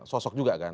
sosok juga kan